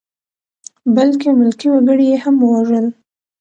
بلکې ملکي وګړي یې هم ووژل.